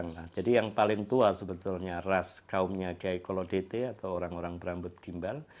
nah jadi yang paling tua sebetulnya ras kaumnya kiai kolodete atau orang orang berambut gimbal